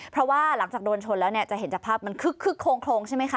เพราะว่าหลังจากโดนชนแล้วเนี่ยจะเห็นจากภาพมันคึกโครงใช่ไหมคะ